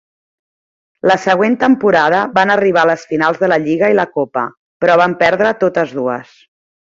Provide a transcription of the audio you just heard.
La següent temporada van arribar a les finals de la lliga i la copa, però van perdre totes dues.